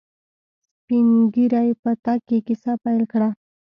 سپينږيري په تګ کې کيسه پيل کړه.